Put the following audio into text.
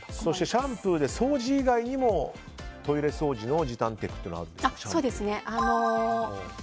シャンプーで掃除以外にもトイレ掃除の時短テクがあるんですね。